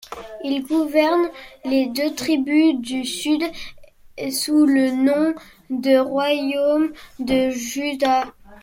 Il gouverne les deux tribus du Sud sous le nom de royaume de Juda.